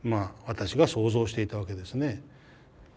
私は想像していたわけですね。